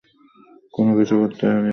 কোনও কিছু করতে পারি একসাথে?